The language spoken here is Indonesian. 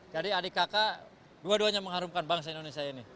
jadi adik kakak dua duanya mengharumkan bangsa indonesia ini